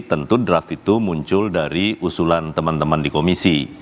tentu draft itu muncul dari usulan teman teman di komisi